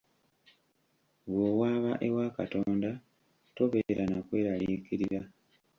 Bw'owaaba ewa Katonda tobeera na kweraliikirira.